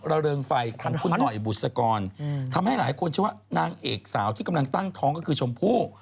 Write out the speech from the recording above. เริงไฟของคุณหน่อยบุษกรทำให้หลายคนเชื่อว่านางเอกสาวที่กำลังตั้งท้องก็คือชมพู่